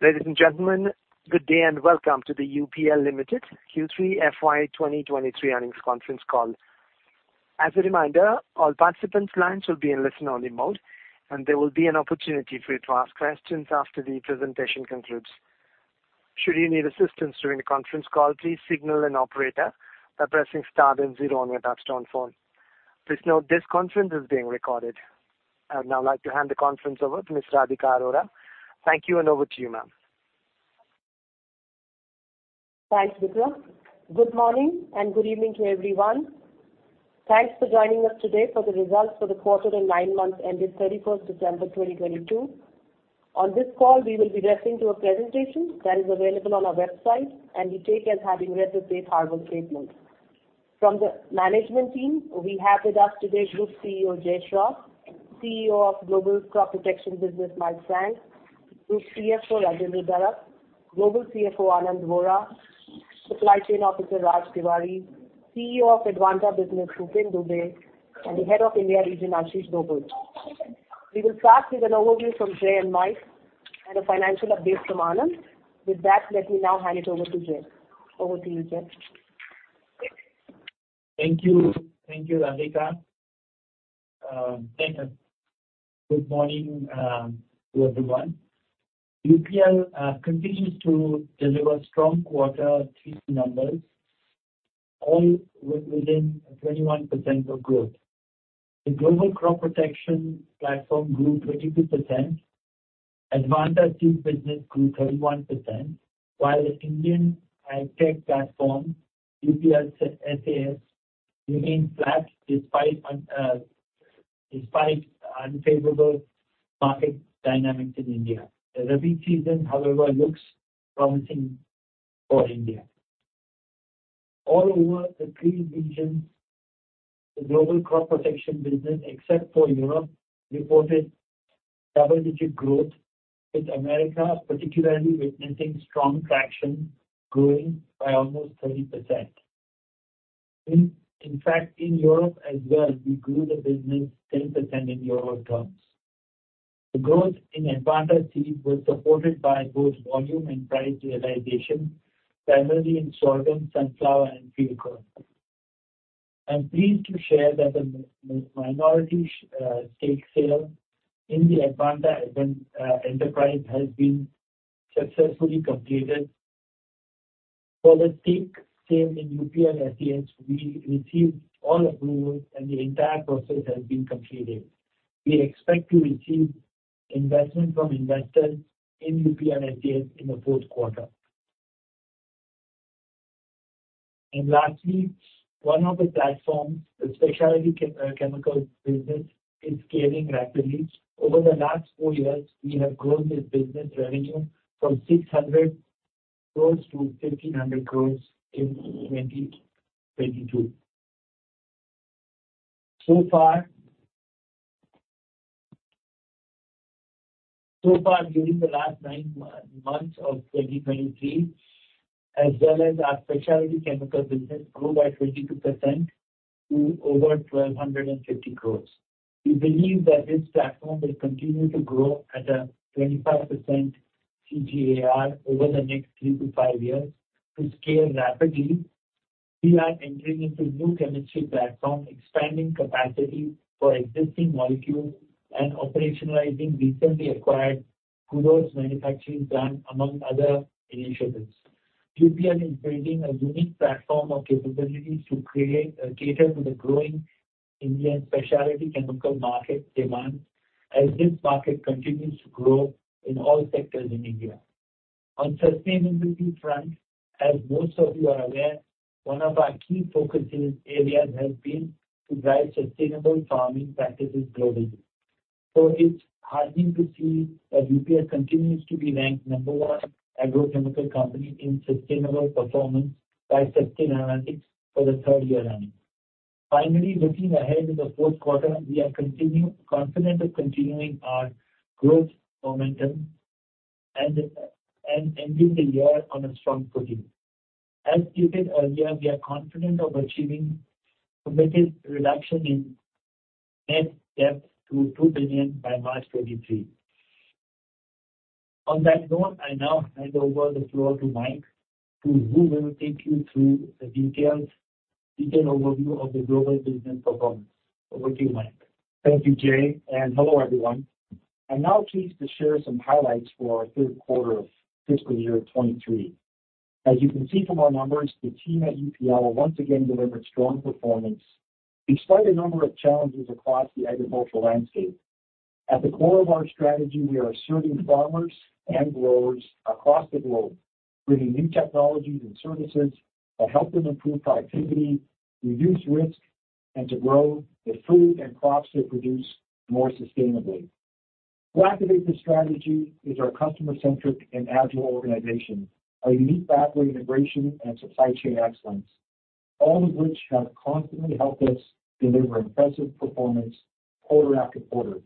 Good day. Welcome to the UPL Limited Q3 FY 2023 earnings conference call. As a reminder, all participants' lines will be in listen-only mode. There will be an opportunity for you to ask questions after the presentation concludes. Should you need assistance during the conference call, please signal an operator by pressing star then zero on your touchtone phone. Please note this conference is being recorded. I would now like to hand the conference over to Miss Radhika Arora. Thank you. Over to you, ma'am. Thanks, Vikram. Good morning and good evening to everyone. Thanks for joining us today for the results for the quarter and nine months ending December 31st 2022. On this call, we will be referring to a presentation that is available on our website, and we take as having read the safe harbor statement. From the management team, we have with us today Group CEO, Jai Shroff; CEO of Global Crop Protection Business, Mike Frank; Group CFO, Rajendra Darak; Global CFO, Anand Vora; Supply Chain Officer, Raj Tiwari; CEO of Advanta business, Bhupen Dubey; and the Head of India Region, Ashish Dobhal. We will start with an overview from Jai and Mike and a financial update from Anand. With that, let me now hand it over to Jai. Over to you, Jai. Thank you. Thank you, Radhika. Thank you. Good morning to everyone. UPL continues to deliver strong quarter three numbers, all within 21% of growth. The global crop protection platform grew 22%. Advanta Seeds business grew 31%, while the Indian AgTech platform, UPL SAS, remains flat despite unfavorable market dynamics in India. The Rabi season, however, looks promising for India. All over the three regions, the global crop protection business, except for Europe, reported double-digit growth, with America particularly witnessing strong traction, growing by almost 30%. In fact, in Europe as well, we grew the business 10% in EUR terms. The growth in Advanta Seeds was supported by both volume and price realization, primarily in sorghum, sunflower, and field corn. I'm pleased to share that the minority stake sale in the Advanta Enterprises has been successfully completed. For the stake sale in UPL SAS, we received all approvals, and the entire process has been completed. We expect to receive investment from investors in UPL SAS in the fourth quarter. Lastly, one of the platforms, the specialty chemical business, is scaling rapidly. Over the last four years, we have grown this business revenue from 600 crores to 1,500 crores in 2022. So far during the last nine months of 2023, our specialty chemical business grow by 22% to over 1,250 crores. We believe that this platform will continue to grow at a 25% CAGR over the next three-five years to scale rapidly. We are entering into new chemistry platform, expanding capacity for existing molecules, and operationalizing recently acquired Kudos Chemie manufacturing plant, among other initiatives. UPL is creating a unique platform of capabilities to create, cater to the growing Indian specialty chemical market demand as this market continues to grow in all sectors in India. On sustainability front, as most of you are aware, one of our key focuses areas has been to drive sustainable farming practices globally. It's heartening to see that UPL continues to be ranked number one agrochemical company in sustainable performance by Sustainalytics for the third year running. Finally, looking ahead to the fourth quarter, we are confident of continuing our growth momentum and ending the year on a strong footing. As stated earlier, we are confident of achieving committed reduction in net debt to $2 billion by March 2023. On that note, I now hand over the floor to Mike, who will take you through the detailed overview of the global business performance. Over to you, Mike. Thank you, Jai, and hello, everyone. I'm now pleased to share some highlights for our third quarter of fiscal year 2023. As you can see from our numbers, the team at UPL once again delivered strong performance despite a number of challenges across the agricultural landscape. At the core of our strategy, we are serving farmers and growers across the globe, bringing new technologies and services that help them improve productivity, reduce risk, and to grow the food and crops they produce more sustainably. To activate this strategy is our customer-centric and agile organization, our unique factory integration and supply chain excellence, all of which have constantly helped us deliver impressive performance quarter after quarter.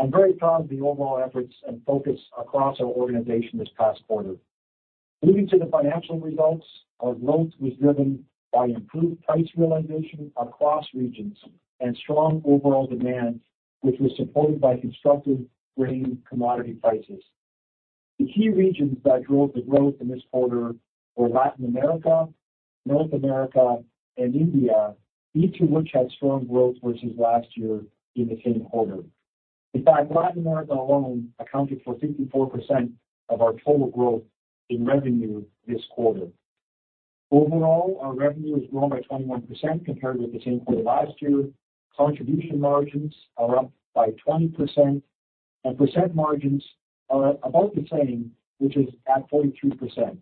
I'm very proud of the overall efforts and focus across our organization this past quarter. Moving to the financial results, our growth was driven by improved price realization across regions and strong overall demand, which was supported by constructive grain commodity prices. The key regions that drove the growth in this quarter were Latin America, North America, and India, each of which had strong growth versus last year in the same quarter. In fact, Latin America alone accounted for 54% of our total growth in revenue this quarter. Overall, our revenue has grown by 21% compared with the same quarter last year. Contribution margins are up by 20% and percent margins are about the same, which is at 42%.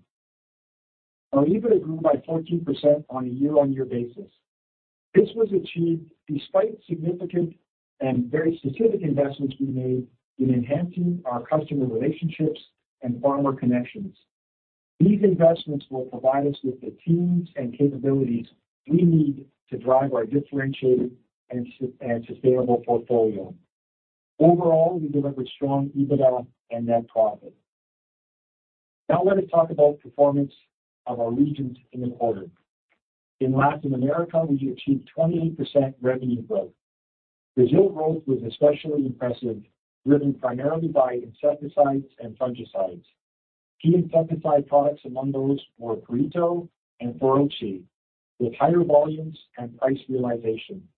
Our EBITDA grew by 14% on a year-on-year basis. This was achieved despite significant and very specific investments we made in enhancing our customer relationships and farmer connections. These investments will provide us with the teams and capabilities we need to drive our differentiated and sustainable portfolio. Overall, we delivered strong EBITDA and net profit. Let us talk about performance of our regions in the quarter. In Latin America, we achieved 28% revenue growth. Brazil growth was especially impressive, driven primarily by insecticides and fungicides. Key insecticide products among those were Perito and Feroce, with higher volumes and price realization.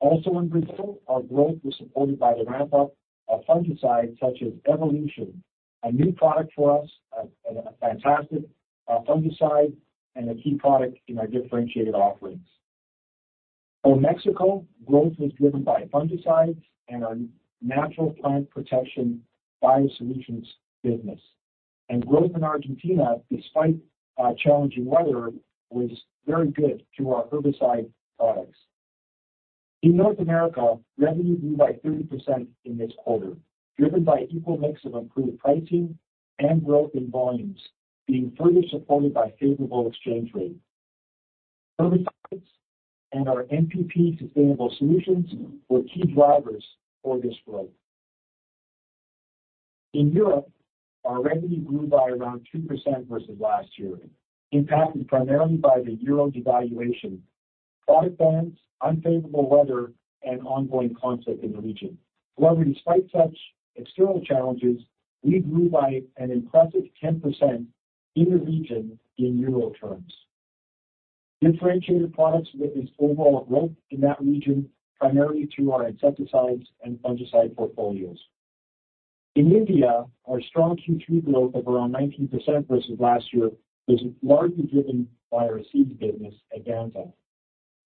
Also in Brazil, our growth was supported by the ramp-up of fungicides such as Evolution, a new product for us, a fantastic fungicide and a key product in our differentiated offerings. For Mexico, growth was driven by fungicides and our Natural Plant Protection biosolutions business. Growth in Argentina, despite challenging weather, was very good through our herbicide products. In North America, revenue grew by 30% in this quarter, driven by equal mix of improved pricing and growth in volumes being further supported by favorable exchange rate. Herbicides and our NPP sustainable solutions were key drivers for this growth. In Europe, our revenue grew by around 2% versus last year, impacted primarily by the euro devaluation, product bans, unfavorable weather, and ongoing conflict in the region. Despite such external challenges, we grew by an impressive 10% in the region in euro terms. Differentiated products with this overall growth in that region primarily through our insecticides and fungicide portfolios. In India, our strong Q3 growth of around 19% versus last year was largely driven by our seeds business at Advanta.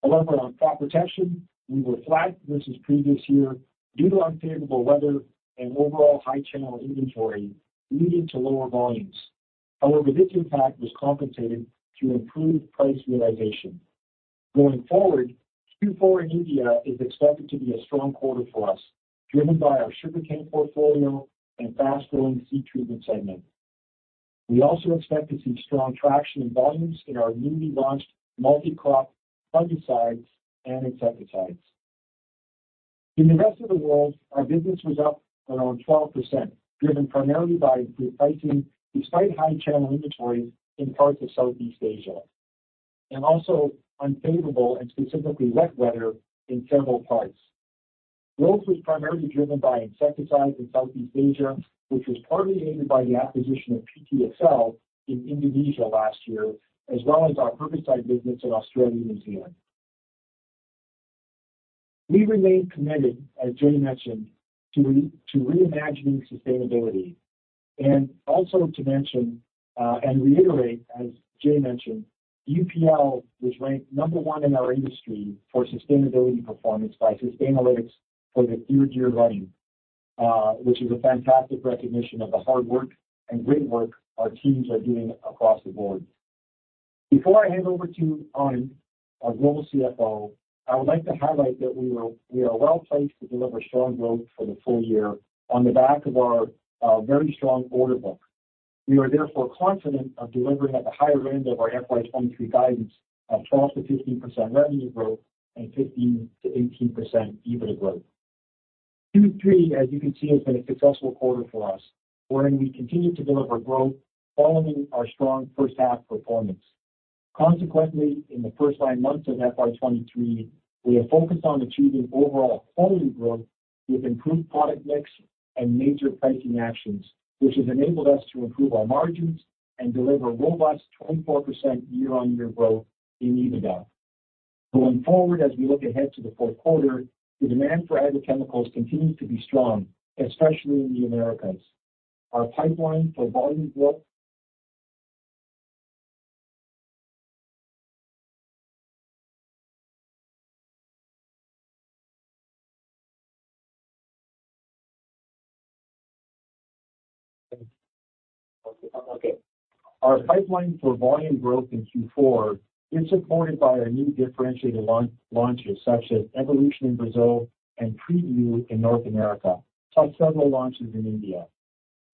On crop protection, we were flat versus previous year due to unfavorable weather and overall high channel inventory leading to lower volumes. This impact was compensated through improved price realization. Going forward, Q4 in India is expected to be a strong quarter for us, driven by our sugarcane portfolio and fast-growing seed treatment segment. We also expect to see strong traction in volumes in our newly launched multi-crop fungicides and insecticides. In the rest of the world, our business was up around 12%, driven primarily by improved pricing despite high channel inventories in parts of Southeast Asia, and also unfavorable and specifically wet weather in several parts. Growth was primarily driven by insecticides in Southeast Asia, which was partly aided by the acquisition of PT Excel in Indonesia last year, as well as our herbicide business in Australia and New Zealand. We remain committed, as Jai mentioned, to reimagining sustainability and also to mention and reiterate, as Jai mentioned, UPL was ranked number one in our industry for sustainability performance by Sustainalytics for the third year running, which is a fantastic recognition of the hard work and great work our teams are doing across the board. Before I hand over to Anand, our Global CFO, I would like to highlight that we are well-placed to deliver strong growth for the full year on the back of our very strong order book. We are therefore confident of delivering at the higher end of our FY23 guidance of 12%-15% revenue growth and 15%-18% EBITDA growth. Q3, as you can see, has been a successful quarter for us, wherein we continued to deliver growth following our strong first half performance. Consequently, in the first nine months of FY 2023, we are focused on achieving overall quality growth with improved product mix and major pricing actions, which has enabled us to improve our margins and deliver robust 24% year-on-year growth in EBITDA. Going forward, as we look ahead to the fourth quarter, the demand for agrochemicals continues to be strong, especially in the Americas. Our pipeline for volume growth. Our pipeline for volume growth in Q4 is supported by our new differentiated launches, such as Evolution in Brazil and Preview in North America, plus several launches in India.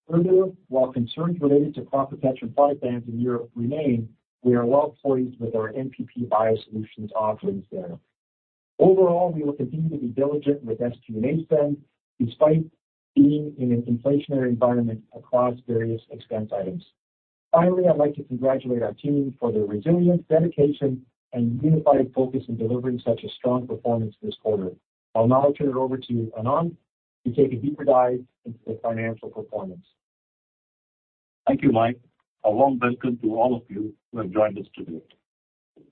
While concerns related to crop protection product bans in Europe remain, we are well poised with our NPP biosolutions offerings there. We will continue to be diligent with SG&A spend despite being in an inflationary environment across various expense items. Finally, I'd like to congratulate our team for their resilience, dedication, and unified focus in delivering such a strong performance this quarter. I'll now turn it over to Anand to take a deeper dive into the financial performance. Thank you, Mike. A warm welcome to all of you who have joined us today.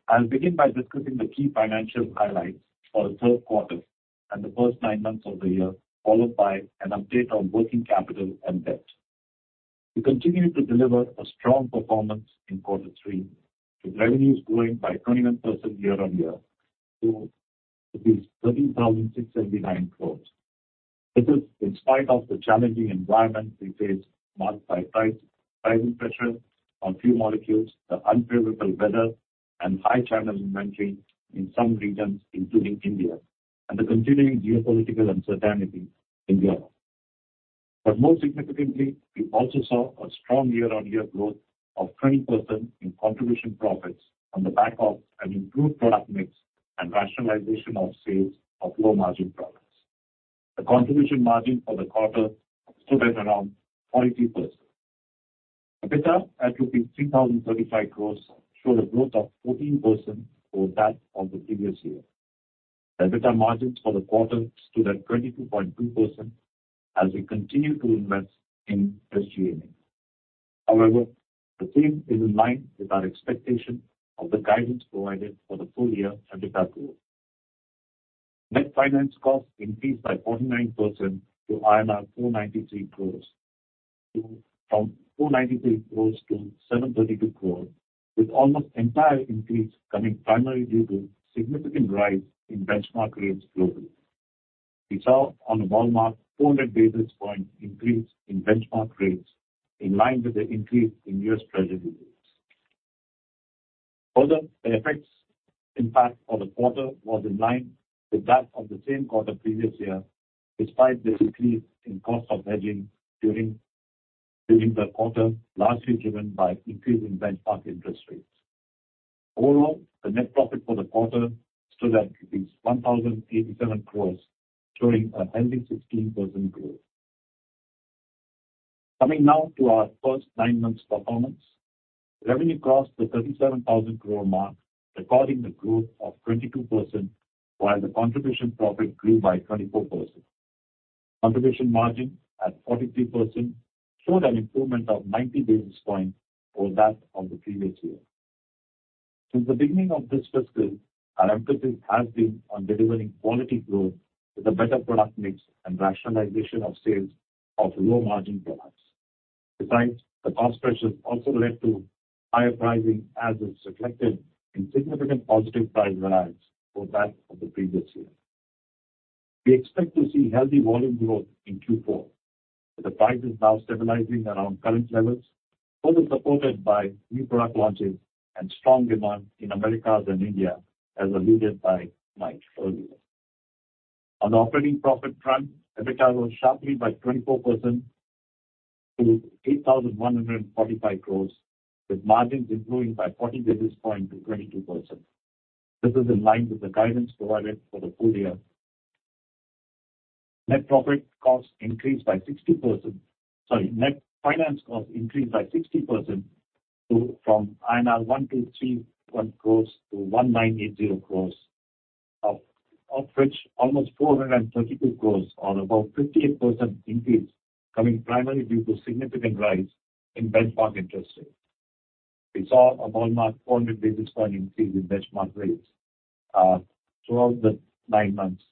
I'll begin by discussing the key financial highlights for the third quarter and the first nine months of the year, followed by an update on working capital and debt. We continued to deliver a strong performance in quarter three, with revenues growing by 21% year-on-year to 13,679 crores. This is in spite of the challenging environment we faced, marked by pricing pressure on few molecules, the unfavorable weather, and high channel inventory in some regions, including India, and the continuing geopolitical uncertainty in Europe. Most significantly, we also saw a strong year-on-year growth of 20% in contribution profits on the back of an improved product mix and rationalization of sales of low-margin products. The contribution margin for the quarter stood at around 43%. EBITDA at 3,035 crores showed a growth of 14% over that of the previous year. The EBITDA margins for the quarter stood at 22.2% as we continue to invest in SG&A. The team is in line with our expectation of the guidance provided for the full year EBITDA growth. Net finance costs increased by 49% from 493 crores to 732 crores, with almost entire increase coming primarily due to significant rise in benchmark rates globally. We saw on a ballpark 400 basis point increase in benchmark rates in line with the increase in U.S. Treasury yields. The FX impact for the quarter was in line with that of the same quarter previous year, despite the decrease in cost of hedging during the quarter, largely driven by increasing benchmark interest rates. Overall, the net profit for the quarter stood at 1,087 crores, showing a healthy 16% growth. Coming now to our first nine months performance. Revenue crossed the 37,000 crore mark, recording a growth of 22%, while the contribution profit grew by 24%. Contribution margin at 43% showed an improvement of 90 basis points over that of the previous year. Since the beginning of this fiscal, our emphasis has been on delivering quality growth with a better product mix and rationalization of sales of low-margin products. Besides, the cost pressures also led to higher pricing as is reflected in significant positive price mix over that of the previous year. We expect to see healthy volume growth in Q4, with the prices now stabilizing around current levels, further supported by new product launches and strong demand in Americas and India, as alluded by Mike earlier. On the operating profit front, EBITDA rose sharply by 24% to 8,145 crores, with margins improving by 40 basis point to 22%. This is in line with the guidance provided for the full year. Net profit costs increased by 60%. Sorry, net finance costs increased by 60% to, from 1,231 crores-1,980 crores INR of which almost 432 crores or about 58% increase coming primarily due to significant rise in benchmark interest rates. We saw a ballpark 400 basis point increase in benchmark rates throughout the nine months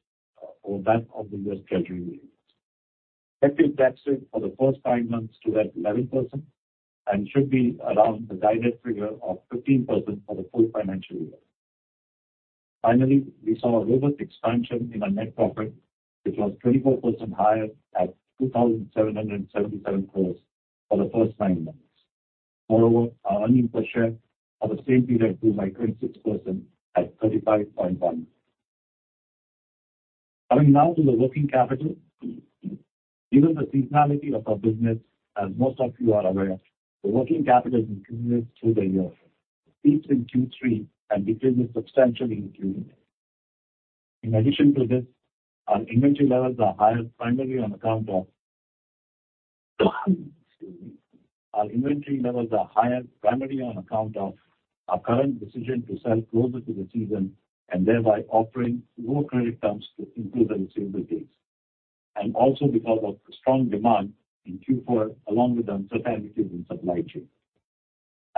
over that of the U.S. Treasury yields. Effective tax rate for the first nine months stood at 11% and should be around the guided figure of 15% for the full financial year. We saw a robust expansion in our net profit, which was 24% higher at 2,777 crores for the first nine months. Our earnings per share for the same period grew by 26% at 35.1. Coming now to the working capital. Given the seasonality of our business, as most of you are aware, the working capital increases through the year, peaks in Q3, and decreases substantially in Q4. In addition to this, our inventory levels are higher primarily on account of. Excuse me. Our inventory levels are higher primarily on account of our current decision to sell closer to the season and thereby offering more credit terms to improve the receivable days, also because of the strong demand in Q4 along with the uncertainties in supply chain.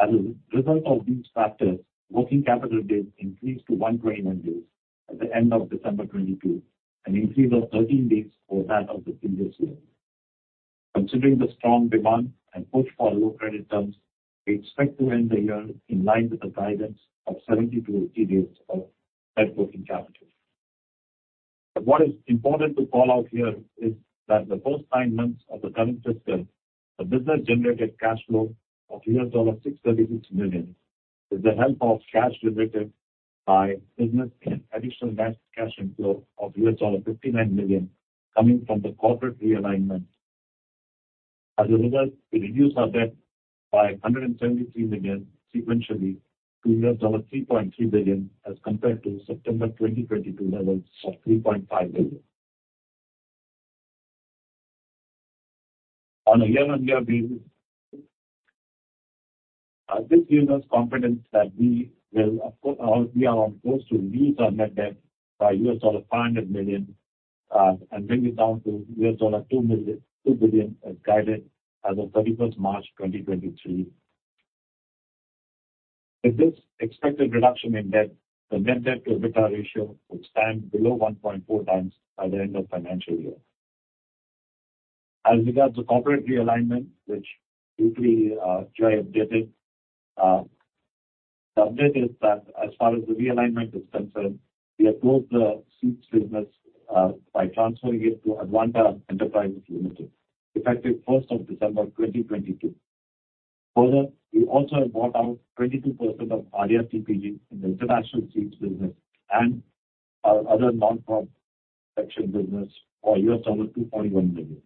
As a result of these factors, working capital days increased to 121 days at the end of December 2022, an increase of 13 days over that of the previous year. Considering the strong demand and push for low credit terms, we expect to end the year in line with the guidance of 70-80 days of net working capital. What is important to call out here is that the first nine months of the current fiscal, the business generated cash flow of $636 million with the help of cash generated by business and additional net cash inflow of $59 million coming from the corporate realignment. As a result, we reduced our debt by $173 million sequentially to less than $3.3 billion as compared to September 2022 levels of $3.5 billion. On a year-on-year basis, this gives us confidence that we will of course, we are on course to reduce our net debt by $500 million and bring it down to $2 billion as guided as of March 31st 2023. With this expected reduction in debt, the Net Debt to EBITDA ratio would stand below 1.4x by the end of financial year. As regards the corporate realignment, which briefly Jai updated, the update is that as far as the realignment is concerned, we have closed the seeds business by transferring it to Advanta Enterprises Limited, effective December 1st, 2022. We also have bought out 22% of ADIA, TPG in the international seeds business and our other non-profit section business for $241 million.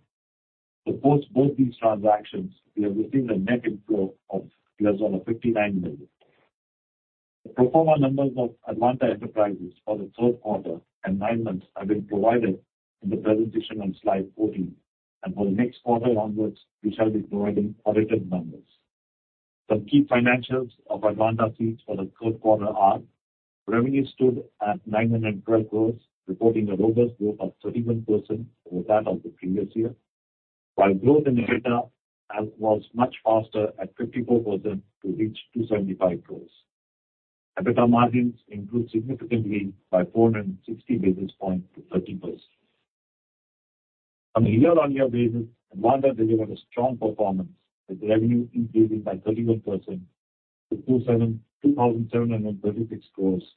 Post both these transactions, we are receiving a net inflow of $59 million. The pro forma numbers of Advanta Enterprises for the third quarter and nine months have been provided in the presentation on slide 14, for the next quarter onwards we shall be providing audited numbers. Some key financials of Advanta Seeds for the third quarter are: revenue stood at 912 crores, reporting a robust growth of 31% over that of the previous year. While growth in EBITDA was much faster at 54% to reach 275 crores. EBITDA margins improved significantly by 460 basis points to 30%. On a year-on-year basis, Advanta delivered a strong performance, with revenue increasing by 31% to 2,736 crores,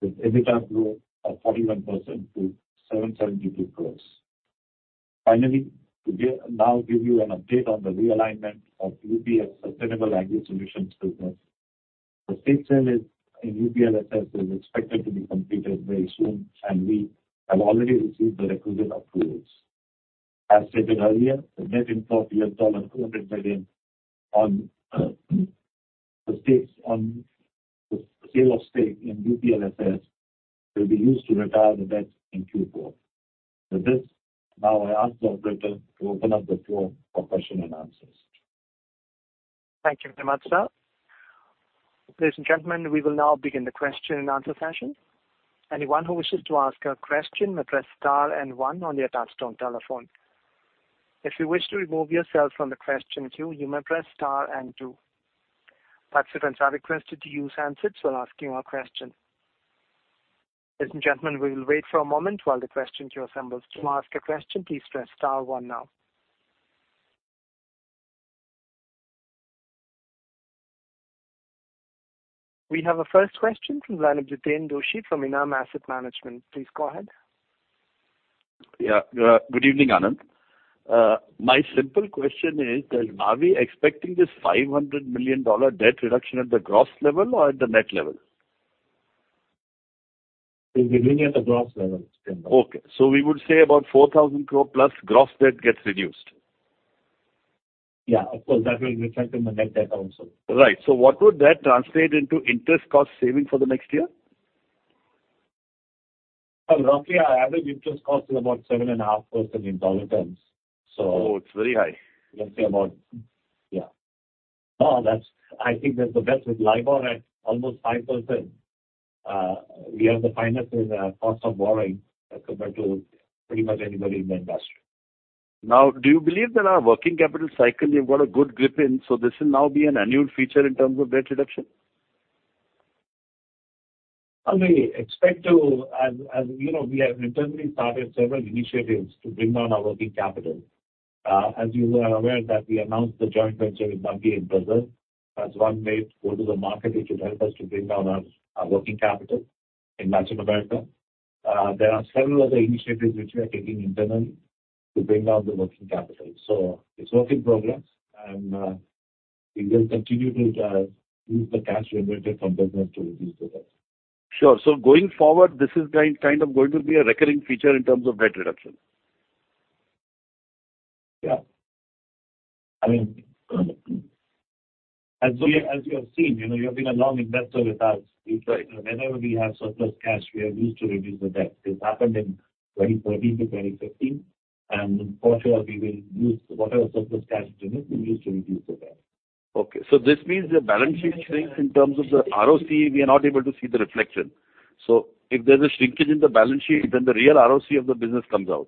with EBITDA growth of 41% to 772 crores. Now give you an update on the realignment of UPL Sustainable Agri Solutions business. The state sale in UPL SAS is expected to be completed very soon, and we have already received the requisite approvals. As stated earlier, the net inflow of $200 million on, the stakes on the sale of stake in UPL SAS will be used to retire the debt in Q4. With this, now I ask the operator to open up the floor for question and answers. Thank you very much, sir. Ladies and gentlemen, we will now begin the question and answer session. Anyone who wishes to ask a question may press star and one on your touchtone telephone. If you wish to remove yourself from the question queue, you may press star and two. Participants are requested to use handsets when asking a question. Ladies and gentlemen, we will wait for a moment while the question queue assembles. To ask a question, please press star one now. We have our first question from Jiten Doshi from Enam Asset Management. Please go ahead. Yeah. Good evening, Anand. My simple question is that are we expecting this $500 million debt reduction at the gross level or at the net level? We're giving it at gross level. Okay. We would say about 4,000 crore plus gross debt gets reduced. Yeah. Of course, that will reflect in the net debt also. Right. What would that translate into interest cost saving for the next year? Roughly our average interest cost is about 7.5% in dollar terms. Oh, it's very high. Let's say about. Yeah. No, I think that's the best with LIBOR at almost 5%. We have the finest cost of borrowing compared to pretty much anybody in the industry. Do you believe that our working capital cycle, you've got a good grip in, so this will now be an annual feature in terms of debt reduction? We expect to... As you know, we have internally started several initiatives to bring down our working capital. As you are aware that we announced the joint venture with Bunge in Brazil as one way to go to the market, which will help us to bring down our working capital in Latin America. There are several other initiatives which we are taking internally to bring down the working capital. It's work in progress and we will continue to use the cash generated from business to reduce the debt. Sure. Going forward, this is kind of going to be a recurring feature in terms of debt reduction. Yeah. I mean, as you have seen, you know, you have been a long investor with us. Whenever we have surplus cash, we have used to reduce the debt. This happened in 2013-2015. For sure we will use whatever surplus cash we generate, we'll use to reduce the debt. Okay. This means the balance sheet shrinks in terms of the ROC, we are not able to see the reflection. If there's a shrinkage in the balance sheet, then the real ROC of the business comes out.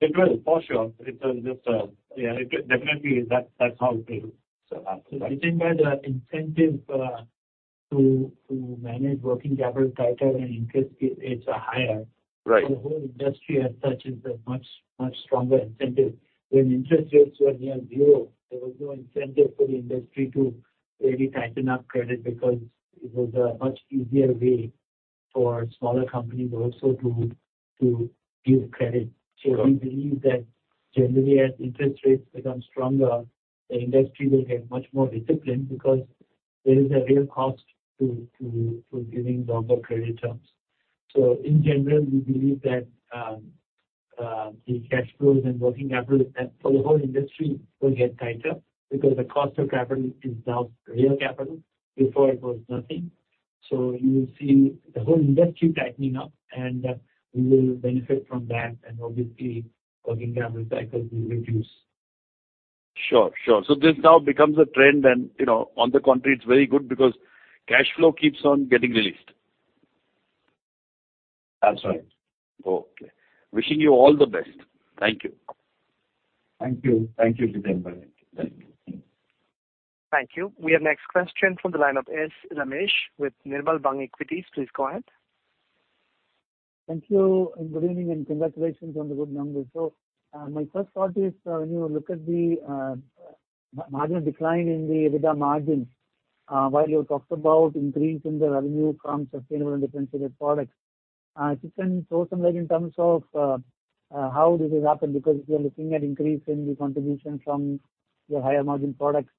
It will, for sure. It will just,... Yeah, it definitely that's how it will. I think that the incentive, to manage working capital tighter when interest rates are higher. The whole industry as such is a much stronger incentive. When interest rates were near zero, there was no incentive for the industry to really tighten up credit because it was a much easier way for smaller companies also to give credit. We believe that generally as interest rates become stronger, the industry will get much more disciplined because there is a real cost to giving longer credit terms. In general, we believe that the cash flows and working capital for the whole industry will get tighter because the cost of capital is now real capital. Before it was nothing. You will see the whole industry tightening up, and we will benefit from that. Obviously working capital cycles will reduce. Sure. This now becomes a trend. You know, on the contrary, it's very good because cash flow keeps on getting released. That's right. Okay. Wishing you all the best. Thank you. Thank you. Thank you. Thank you. We have next question from the line of S. Ramesh with Nirmal Bang Equities. Please go ahead. Thank you and good evening and congratulations on the good numbers. My first thought is, when you look at the margin decline in the EBITDA margin, while you talked about increase in the revenue from sustainable and differentiated products, if you can throw some light in terms of how this has happened, because if you're looking at increase in the contribution from your higher margin products,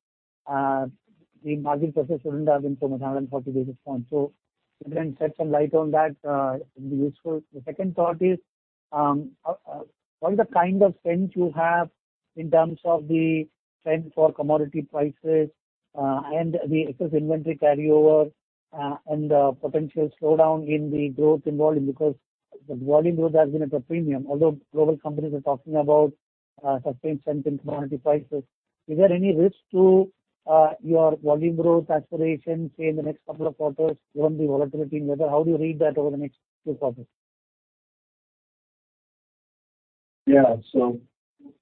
the margin pressure shouldn't have been so much, 140 basis points. If you can shed some light on that, it will be useful. The second thought is, all the kind of trends you have in terms of the trend for commodity prices, and the excess inventory carryover, and the potential slowdown in the growth in volume. Because the volume growth has been at a premium, although global companies are talking about, sustained strength in commodity prices. Is there any risk to your volume growth aspirations, say, in the next couple of quarters, given the volatility in weather? How do you read that over the next few quarters? Yeah.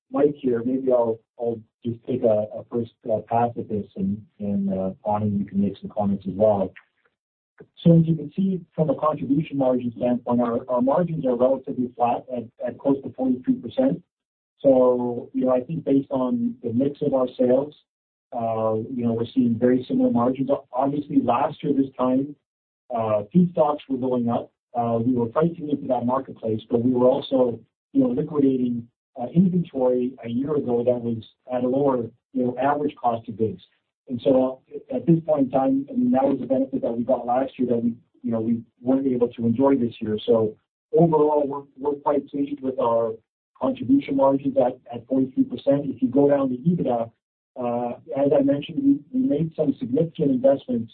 Mike here, maybe I'll just take a first pass at this and Anand, you can make some comments as well. As you can see from a contribution margin standpoint, our margins are relatively flat at close to 42%. You know, I think based on the mix of our sales, you know, we're seeing very similar margins. Obviously, last year this time, feedstocks were going up. We were pricing into that marketplace, but we were also, you know, liquidating inventory a year ago that was at a lower, you know, average cost of goods. At this point in time, I mean, that was a benefit that we got last year that we, you know, we weren't able to enjoy this year. Overall, we're quite pleased with our contribution margins at 42%. If you go down to EBITDA, as I mentioned, we made some significant investments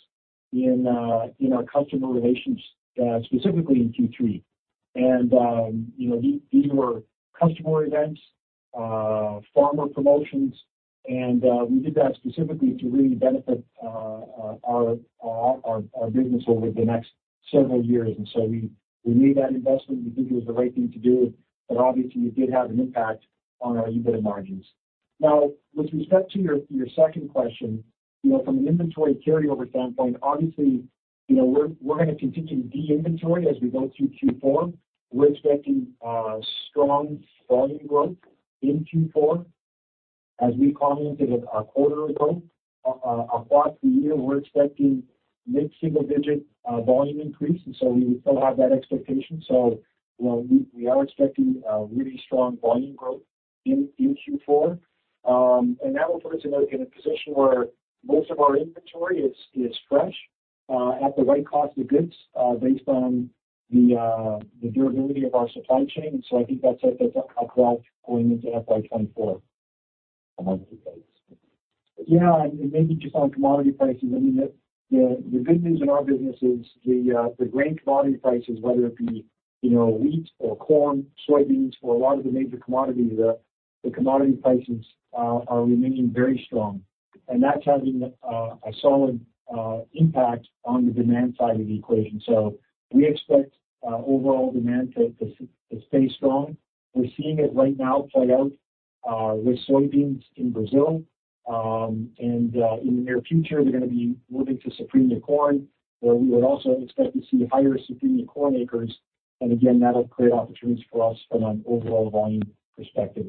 in our customer relations, specifically in Q3. You know, these were customer events, farmer promotions, and we did that specifically to really benefit our business over the next several years. We made that investment. We think it was the right thing to do, but obviously it did have an impact on our EBITDA margins. Now, with respect to your second question, you know, from an inventory carryover standpoint, obviously, you know, we're gonna continue to de-inventory as we go through Q4. We're expecting strong volume growth in Q4. As we commented a quarter ago, across the year, we're expecting mid-single-digit volume increase. We still have that expectation. You know, we are expecting a really strong volume growth in Q4. That will put us in a position where most of our inventory is fresh, at the right cost of goods, based on the durability of our supply chain. I think that sets us up quite going into FY 2024. Maybe just on commodity prices, I mean, the good news in our business is the grain commodity prices, whether it be, you know, wheat or corn, soybeans or a lot of the major commodities, the commodity prices are remaining very strong, and that's having a solid impact on the demand side of the equation. We expect overall demand to stay strong. We're seeing it right now play out with soybeans in Brazil. In the near future, they're gonna be moving to spring in corn, where we would also expect to see higher spring in corn acres. Again, that'll create opportunities for us from an overall volume perspective.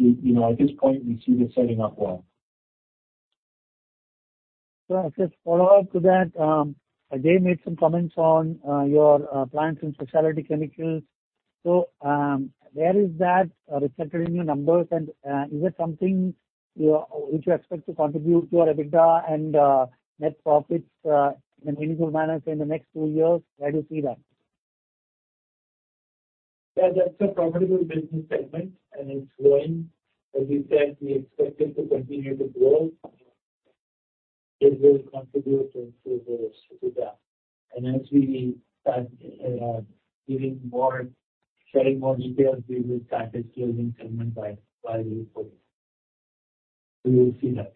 You know, at this point we see this setting up well. I'll just follow up to that. Jai made some comments on your plans in specialty chemicals. Where is that reflected in your numbers? Is it something which you expect to contribute to your EBITDA and net profits in a meaningful manner, say, in the next two years? Where do you see that? Yeah, that's a profitable business segment, and it's growing. As we said, we expect it to continue to grow. It will contribute to the EBITDA. As we start sharing more details, we will start disclosing segment by the report. You'll see that.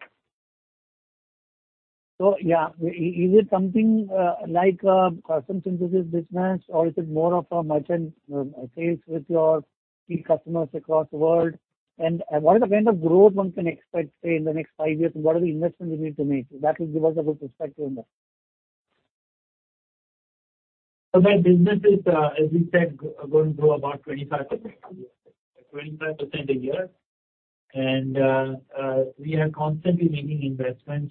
Yeah. Is it something like a custom synthesis business or is it more of a merchant sales with your key customers across the world? What are the kind of growth one can expect, say, in the next five years? What are the investments you need to make? That will give us a good perspective on that. That business is, as we said, going to grow about 25% a year. We are constantly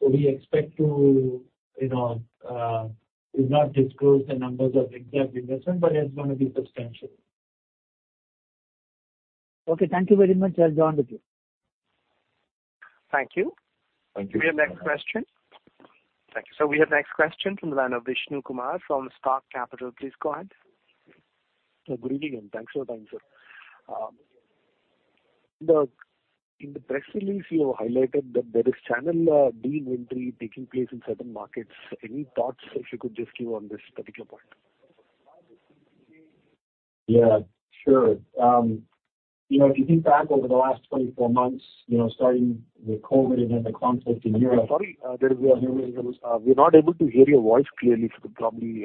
making investments. We expect to, you know, we've not disclosed the numbers of exact investment, but it's gonna be substantial. Okay, thank you very much. I'll rejoin the queue. Thank you. We have next question from the line of Vishnu Kumar from Spark Capital. Please go ahead. Good evening. Thanks for the time, sir. In the press release you have highlighted that there is channel de-inventory taking place in certain markets. Any thoughts that you could just give on this particular point? Yeah, sure. you know, if you think back over the last 24 months, you know, starting with COVID and then the conflict in Europe. I'm sorry, there is a little issue. We're not able to hear your voice clearly. If you could probably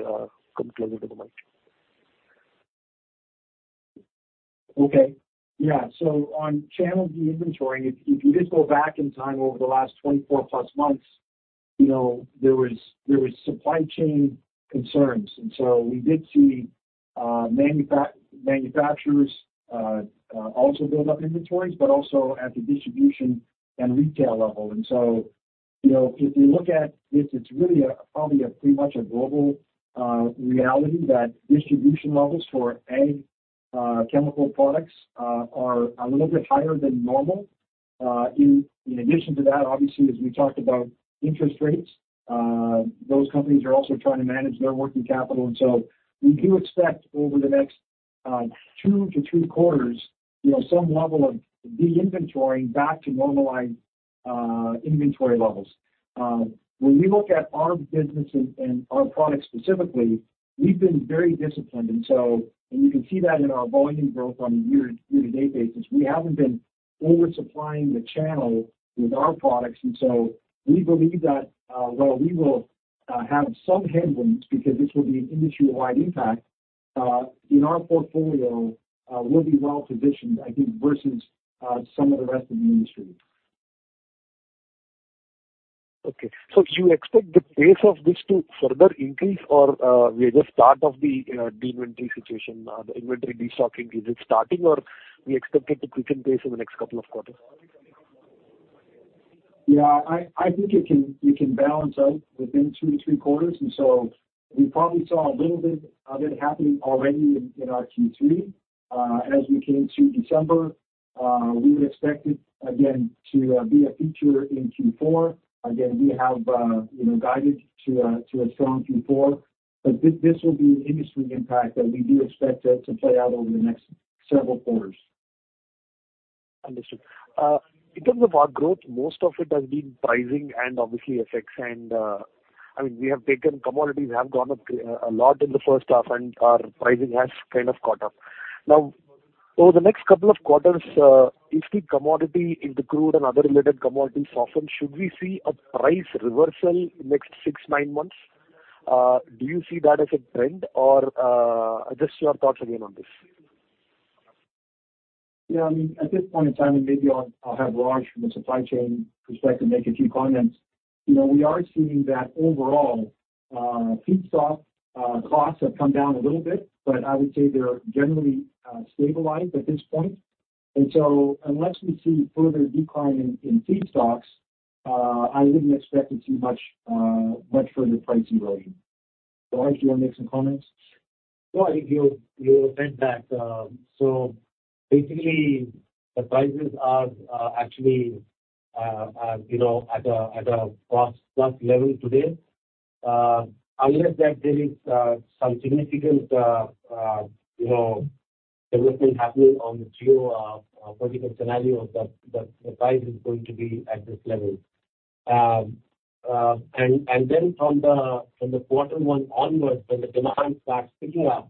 come closer to the mic. Okay. Yeah. On channel de-inventory, if you just go back in time over the last +24 months, you know, there was supply chain concerns. We did see manufacturers also build up inventories, but also at the distribution and retail level. You know, if you look at this, it's really probably a pretty much a global reality that distribution levels for Ag chemical products are a little bit higher than normal. In addition to that, obviously, as we talked about interest rates, those companies are also trying to manage their working capital. We do expect over the next two-three quarters, you know, some level of de-inventory back to normalized inventory levels. When we look at our business and our products specifically, we've been very disciplined. You can see that in our volume growth on a year-to-date basis. We haven't been oversupplying the channel with our products. We believe that while we will have some headwinds, because this will be an industry-wide impact, in our portfolio, we'll be well-positioned, I think, versus some of the rest of the industry. Do you expect the pace of this to further increase or we are just start of the de-inventory situation? The inventory destocking, is it starting or we expect it to quicken pace in the next couple of quarters? Yeah, I think it can balance out within two-three quarters. We probably saw a little bit of it happening already in our Q3. As we came to December, we would expect it again to be a feature in Q4. Again, we have, you know, guided to a strong Q4. This will be an industry impact that we do expect it to play out over the next several quarters. Understood. In terms of our growth, most of it has been pricing and obviously effects. I mean, we have taken commodities have gone up a lot in the first half, and our pricing has kind of caught up. Over the next couple of quarters, if the commodity, if the crude and other related commodities soften, should we see a price reversal next six, nine months? Do you see that as a trend or? Just your thoughts again on this. Yeah. I mean, at this point in time, and maybe I'll have Raj from the supply chain perspective make a few comments. You know, we are seeing that overall feedstock costs have come down a little bit, but I would say they're generally stabilized at this point. Unless we see further decline in feedstocks, I wouldn't expect to see much much further price erosion. Raj, you wanna make some comments? Well, I think you are right that, basically the prices are actually, you know, at a plus level today. Unless there is some significant, you know, development happening on the geopolitical scenario that the price is going to be at this level. Then from the quarter one onwards, when the demand starts picking up,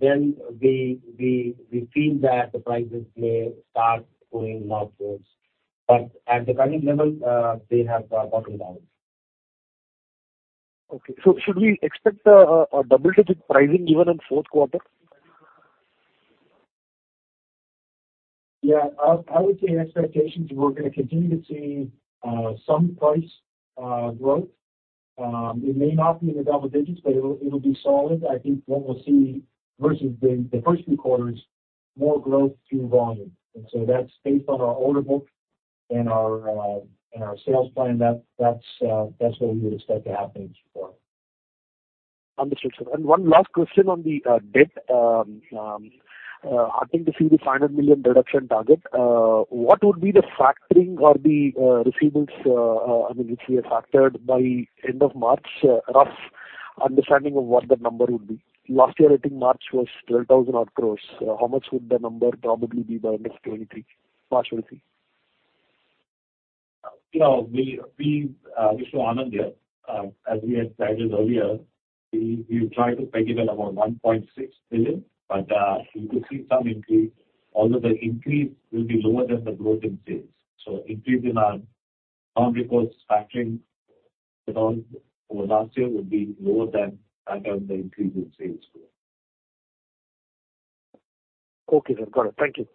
then we feel that the prices may start going upwards. At the current level, they have bottomed out. Okay. should we expect a double-digit pricing even in fourth quarter? Yeah. I would say expectations we're gonna continue to see some price growth. It may not be in the double digits, but it'll be solid. I think what we'll see versus the first few quarters, more growth through volume. That's based on our order book and our sales plan. That's what we would expect to happen in Q4. Understood, sir. One last question on the debt. I think you see the final million reduction target. What would be the factoring or the receivables, I mean, if we have factored by end of March, rough understanding of what that number would be? Last year, I think March was 12,000 odd crores. How much would the number probably be by end of 2023? You know, we show on there, as we had guided earlier, we try to peg it at about $1.6 billion. You could see some increase, although the increase will be lower than the growth in sales. Increase in our non-recourse factoring with all over last year would be lower than the increase in sales growth. Okay. Got it. Thank you.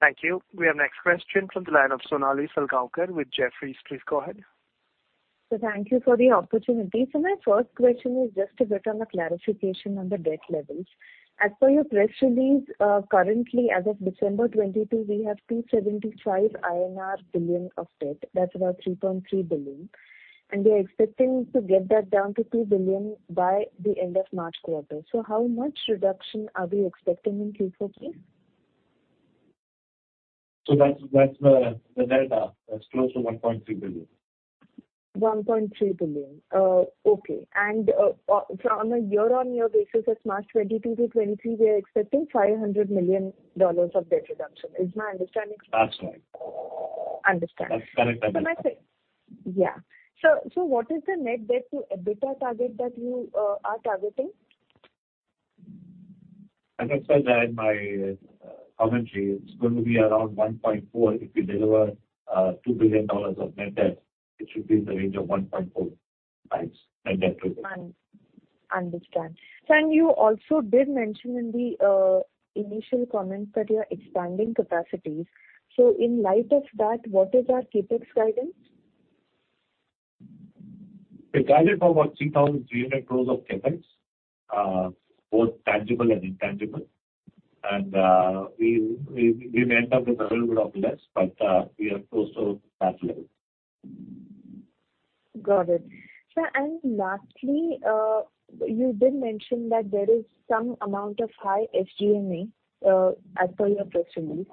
Thank you. We have next question from the line of Sonali Salgaonkar with Jefferies. Please go ahead. Thank you for the opportunity. My first question is just a bit on the clarification on the debt levels. As per your press release, currently as of December 2022, we have 275 billion INR of debt. That's about $3.3 billion. We are expecting to get that down to $2 billion by the end of March quarter. How much reduction are we expecting in Q4? That's the data. That's close to $1.3 billion. $1.3 billion. Okay. From a year-on-year basis, that's March 2022-2023, we are expecting $500 million of debt reduction. Is my understanding correct? That's right. I understand. Yeah. What is the Net Debt to EBITDA target that you are targeting? I think I said that in my commentary. It's going to be around 1.4x. If we deliver $2 billion of net debt, it should be in the range of 1.4x net debt to EBITDA. Understand. Sir, and you also did mention in the initial comments that you are expanding capacities. In light of that, what is our CapEx guidance? We guided for about 3,300 crores of CapEx, both tangible and intangible. We may end up with a little bit of less, but we are close to that level. Got it. Sir, lastly, you did mention that there is some amount of high SG&A, as per your press release.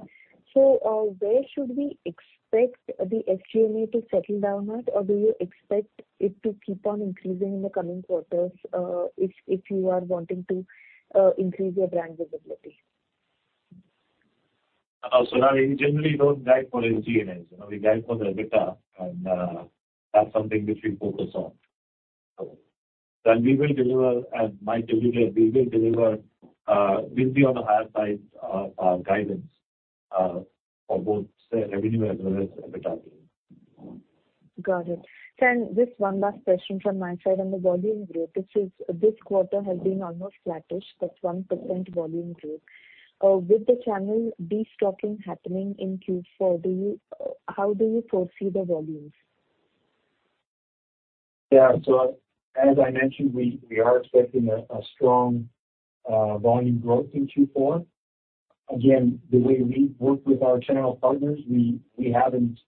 Where should we expect the SG&A to settle down at or do you expect it to keep on increasing in the coming quarters, if you are wanting to, increase your brand visibility? Sonali, we generally don't guide for SG&As. You know, we guide for the EBITDA and that's something which we focus on. We will deliver, as Mike alluded, we will deliver. We'll be on the higher side of our guidance for both say revenue as well as EBITDA growth. Got it. Sir, just one last question from my side on the volume growth, which is this quarter has been almost flattish, that's 1% volume growth. With the channel destocking happening in Q4, how do you foresee the volumes? As I mentioned, we are expecting a strong volume growth in Q4. Again, the way we work with our channel partners, we haven't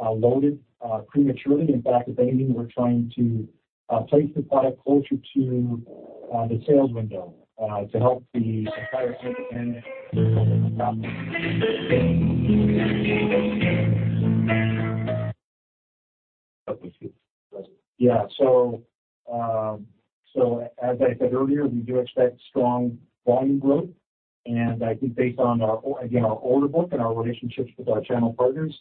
loaded prematurely. In fact, if anything, we're trying to place the product closer to the sales window to help the entire. As I said earlier, we do expect strong volume growth. I think based on our again, our order book and our relationships with our channel partners,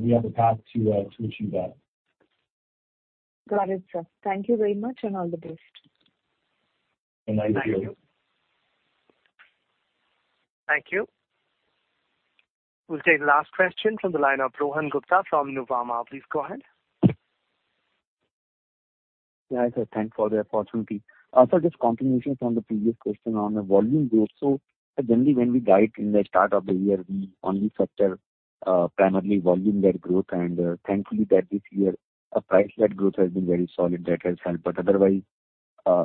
we have the path to achieve that. Got it, sir. Thank you very much and all the best. Thank you. We'll take the last question from the line of Rohan Gupta from Nuvama. Please go ahead. Yeah, sir. Thanks for the opportunity. Sir, just continuation from the previous question on the volume growth. Generally, when we guide in the start of the year, we only factor primarily volume-led growth. Thankfully that this year our price-led growth has been very solid. That has helped. Otherwise,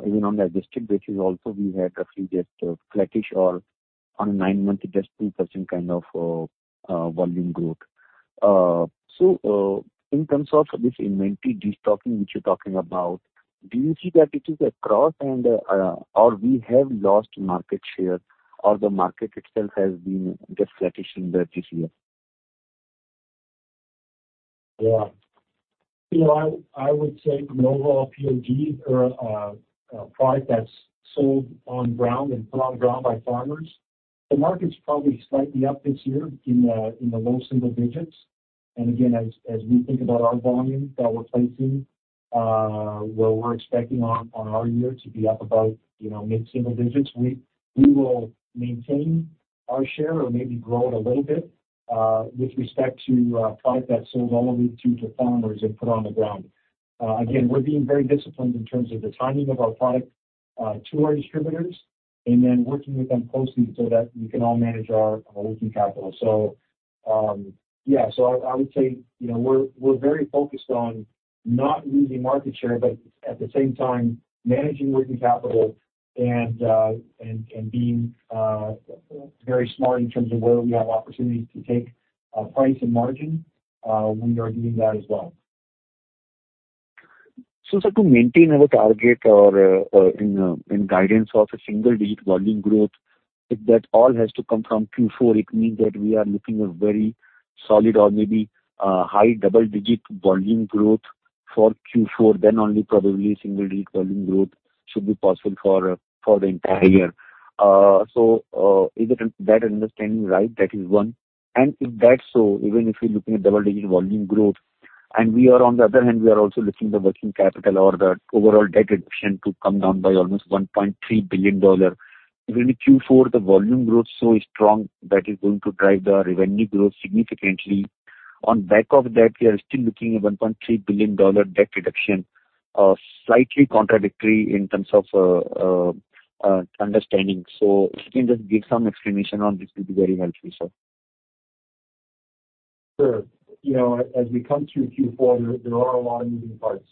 even on the district basis also we had roughly just flattish or on a nine-month just 2% kind of volume growth. In terms of this inventory destocking which you're talking about, do you see that it is across and, or we have lost market share or the market itself has been just flattish in the this year? Yeah. You know, I would say from an overall POG or, a product that's sold on ground and put on ground by farmers, the market's probably slightly up this year in the, in the low single digits. Again, as we think about our volume that we're placing, where we're expecting on our year to be up about, you know, mid-single digits. We, we will maintain our share or maybe grow it a little bit, with respect to, product that's sold only to farmers and put on the ground. Again, we're being very disciplined in terms of the timing of our product, to our distributors and then working with them closely so that we can all manage our working capital. Yeah. I would say, you know, we're very focused on not losing market share, but at the same time managing working capital and being very smart in terms of where we have opportunities to take price and margin. We are doing that as well. Sir, to maintain our target or in guidance of a single-digit volume growth, if that all has to come from Q4, it means that we are looking a very solid or maybe high double-digit volume growth for Q4. Only probably single-digit volume growth should be possible for the entire year. Is that understanding right? That is one. If that's so, even if you're looking at double-digit volume growth, and we are on the other hand, we are also looking at the working capital or the overall debt reduction to come down by almost $1.3 billion. Even in Q4, the volume growth so is strong that is going to drive the revenue growth significantly. On back of that, we are still looking at $1.3 billion debt reduction. Slightly contradictory in terms of understanding. If you can just give some explanation on this, it will be very helpful, sir. Sure. You know, as we come through Q4, there are a lot of moving parts.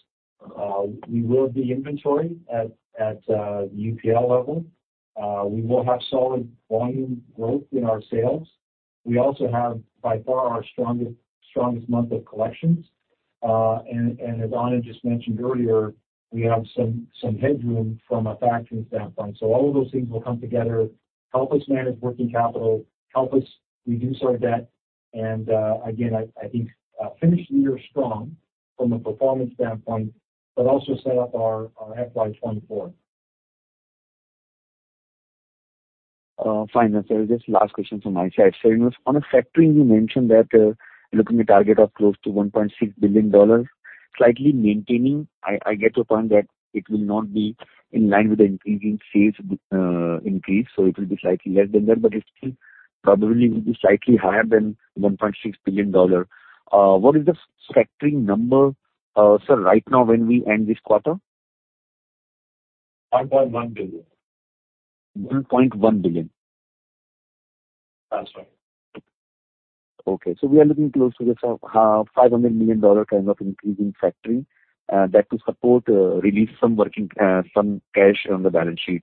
We will be inventory at the UPL level. We will have solid volume growth in our sales. We also have by far our strongest month of collections. As Anand just mentioned earlier, we have some headroom from a factoring standpoint. All of those things will come together, help us manage working capital, help us reduce our debt, and again, I think, finish the year strong from a performance standpoint, but also set up our FY 2024. Fine. Sir, just last question from my side. On a factoring, you mentioned that, looking at a target of close to $1.6 billion, slightly maintaining. I get your point that it will not be in line with the increasing sales increase, so it will be slightly less than that, but it still probably will be slightly higher than $1.6 billion. What is the factoring number, sir, right now when we end this quarter? $1.1 billion. $1.1 billion. That's right. Okay. We are looking close to the sort of $500 million kind of increase in factoring, that to support, release some working cash on the balance sheet.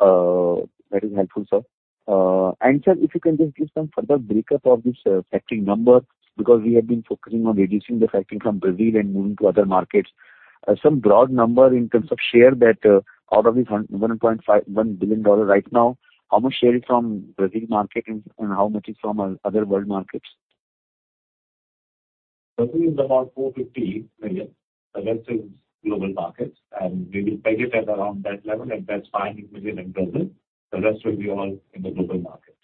That is helpful, sir. Sir, if you can just give some further breakup of this factoring number, because we have been focusing on reducing the factoring from Brazil and moving to other markets. Some broad number in terms of share that, out of this $1 billion right now, how much share is from Brazil market and how much is from other world markets? Brazil is about $450 million. The rest is global markets. We will peg it at around that level, and that's fine with me and in Brazil. The rest will be all in the global markets.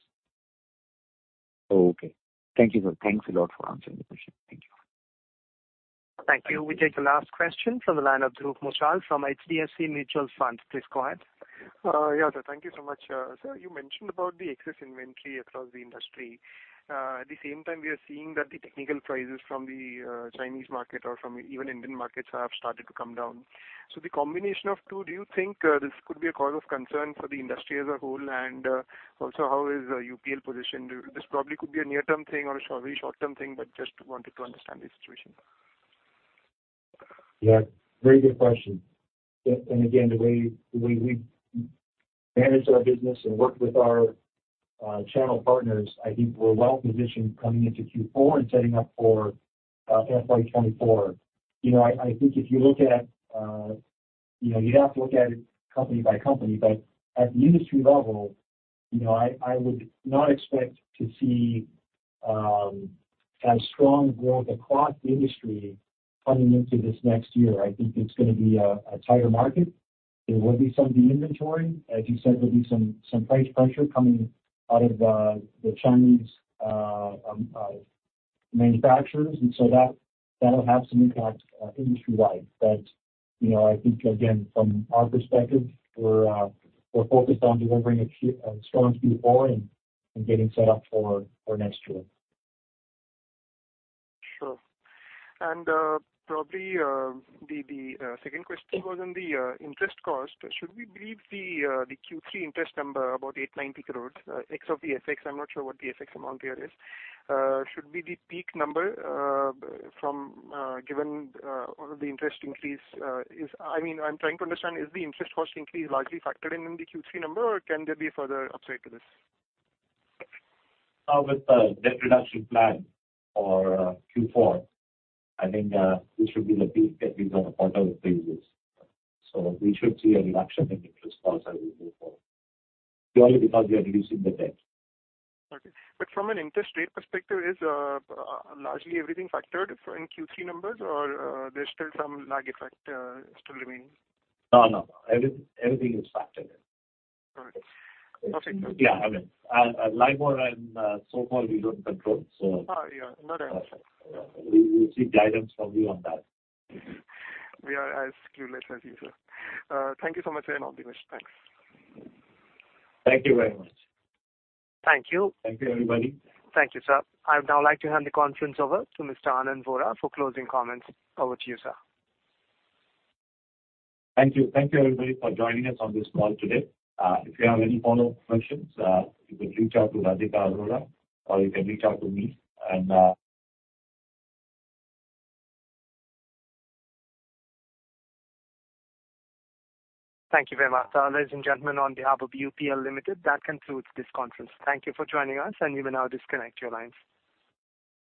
Okay. Thank you, sir. Thanks a lot for answering the question. Thank you. Thank you. We take the last question from the line of Dhruv Muchhal from HDFC Mutual Fund. Please go ahead. Yeah. Thank you so much. Sir, you mentioned about the excess inventory across the industry. At the same time, we are seeing that the technical prices from the Chinese market or from even Indian markets have started to come down. The combination of two, do you think this could be a cause of concern for the industry as a whole? Also, how is UPL positioned? This probably could be a near-term thing or a very short-term thing, but just wanted to understand the situation. Yeah, very good question. Again, the way we manage our business and work with our channel partners, I think we're well positioned coming into Q4 and setting up for FY 2024. You know, I think if you look at, you'd have to look at it company by company. At the industry level, you know, I would not expect to see as strong growth across the industry coming into this next year. I think it's gonna be a tighter market. There will be some de-inventory. As you said, there'll be some price pressure coming out of the Chinese manufacturers, and so that'll have some impact industry-wide. You know, I think again, from our perspective, we're focused on delivering a strong Q4 and getting set up for next year. Sure. Probably, the second question was on the interest cost. Should we believe the Q3 interest number about 890 crores ex of the FX? I'm not sure what the FX amount there is. Should be the peak number from given all of the interest increase. I mean, I'm trying to understand, is the interest cost increase largely factored in in the Q3 number, or can there be further upside to this? With the debt reduction plan for Q4, I think, this should be the peak at least on a quarter-over-quarter basis. We should see a reduction in interest costs as we move forward, purely because we are reducing the debt. Okay. From an interest rate perspective is largely everything factored for in Q3 numbers or there's still some lag effect still remaining? No, no. Everything is factored in. All right. Perfect. Yeah. I mean, LIBOR and SOFR we don't control. We will seek guidance from you on that. We are as clueless as you, sir. Thank you so much. All the best. Thanks. Thank you very much. Thank you. Thank you, everybody. Thank you, sir. I'd now like to hand the conference over to Mr. Anand Vora for closing comments. Over to you, sir. Thank you. Thank you, everybody, for joining us on this call today. If you have any follow-up questions, you can reach out to Radhika Arora or you can reach out to me. Thank you very much. Ladies and gentlemen, on behalf of UPL Limited, that concludes this conference. Thank you for joining us, and you may now disconnect your lines.